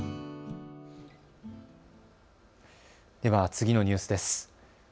では、次のニュースです。